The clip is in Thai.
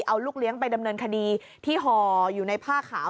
เอาลูกเลี้ยงไปดำเนินคดีที่ห่ออยู่ในผ้าขาว